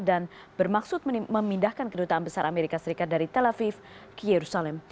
dan bermaksud memindahkan kedutaan besar amerika serikat dari tel aviv ke yerusalem